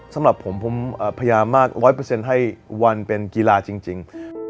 สำหรับผมผมพยายามมาก๑๐๐ให้วันเป็นกีฬาจริง